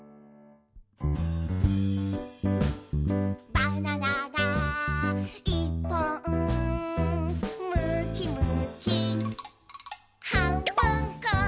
「バナナがいっぽん」「むきむきはんぶんこ！」